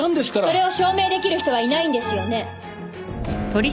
それを証明出来る人はいないんですよね？